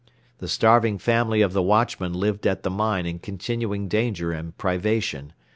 The starving family of the watchman lived at the mine in continuing danger and privation.